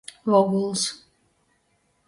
Voguls.